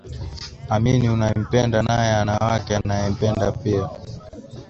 Amini unayempenda, naye ana wake anayaempenda pia